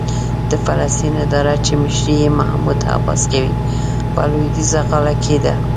د فلسطین اداره چې مشري یې محمود عباس کوي، په لوېدیځه غاړه کې ده.